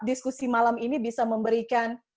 diskusi malam ini bisa memberikan